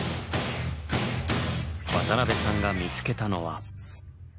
渡辺さんが見つけたのは。